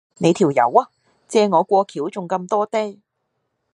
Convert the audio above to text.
你條友呀，借完我過橋仲咁多嗲